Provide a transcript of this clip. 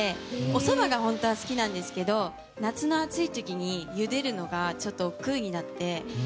おそばが本当は好きなんですけど夏の暑い時に、ゆでるのがちょっとおっくうになって。